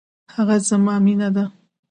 هغه زما مينه ده.